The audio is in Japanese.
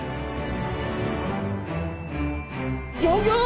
ギョギョ！